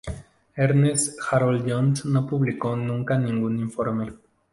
Ernest Harold Jones no publicó nunca ningún informe.